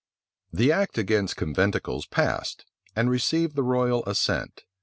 The act against conventicles passed, and received the royal assent.